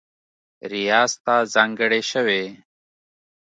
ریاض ته ځانګړې شوې